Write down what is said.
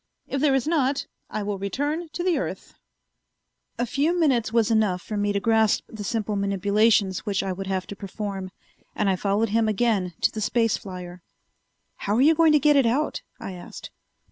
If there is not, I will return to the earth." A few minutes was enough for me to grasp the simple manipulations which I would have to perform, and I followed him again to the space flier. "How are you going to get it out?" I asked.